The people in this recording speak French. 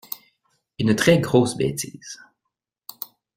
Une très grosse bêtise.